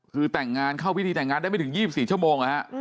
คือแต่งงานเข้าพิธีแต่งงานได้ไม่ถึง๒๔ชั่วโมง